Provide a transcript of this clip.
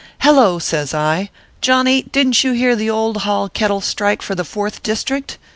"Hello!" says I, " Johnny, didn t you hear the old Hall kettle strike for the Fourth District